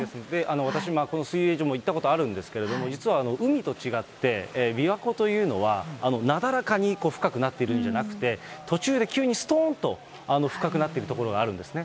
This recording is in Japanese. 私、この水泳場、行ったことあるんですけれども、実は海と違って、琵琶湖というのはなだらかに深くなっているんじゃなくて、途中で急にすとーんと深くなってる所があるんですね。